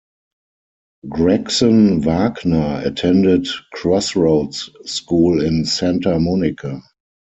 Gregson Wagner attended Crossroads School in Santa Monica.